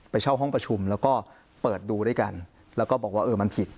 เช่าห้องประชุมแล้วก็เปิดดูด้วยกันแล้วก็บอกว่าเออมันผิด